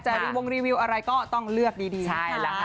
แต่วงรีวิวอะไรก็ต้องเลือกดีค่ะ